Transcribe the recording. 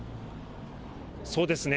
そうですね。